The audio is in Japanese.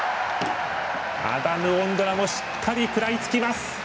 アダム・オンドラもしっかり食らいつきます。